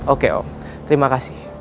oke om terima kasih